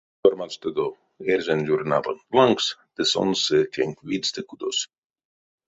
Сёрмадстодо эрзянь журналонть лангс, ды сон сы тенк видьстэ кудос.